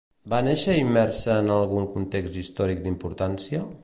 Va néixer immersa en algun context històric d'importància?